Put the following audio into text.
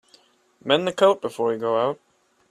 Mend the coat before you go out.